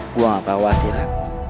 gue gak tahu apa hati hati